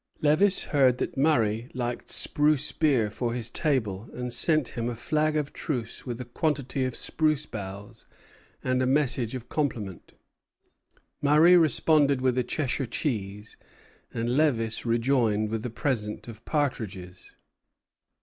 Lévis heard that Murray liked spruce beer for his table, and sent him a flag of truce with a quantity of spruce boughs and a message of compliment; Murray responded with a Cheshire cheese, and Lévis rejoined with a present of partridges.